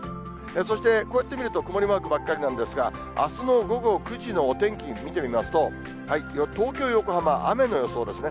そして、こうして見ると曇りマークばっかりなんですが、あすの午後９時のお天気見てみますと、東京、横浜、雨の予想ですね。